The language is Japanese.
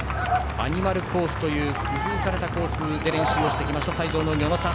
アニマルコースという工夫されたコースで練習してきました西条農業の田原。